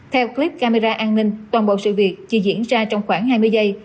theo clip camera an ninh toàn bộ sự việc chỉ diễn ra trong khoảng hai mươi giây